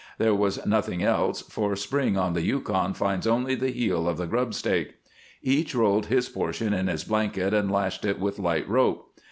There was nothing else, for spring on the Yukon finds only the heel of the grub stake. Each rolled his portion in his blanket and lashed it with light rope.